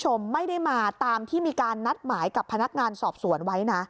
คุณผู้ชมไม่ได้มาตามที่มีการนัดหมายกับพนักงานสอบสวนไว้นะ